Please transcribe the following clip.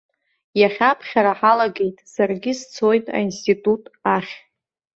Иахьа аԥхьара ҳалагеит, саргьы сцоит аинститут ахь.